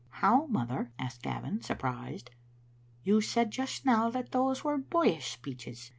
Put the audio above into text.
" How, mother?" asked Gavin, surprised. " You said just now that those were boyish speeches.